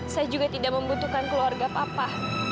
saya juga tidak membutuhkan keluarga papa